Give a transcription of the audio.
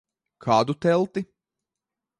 Kādu telti?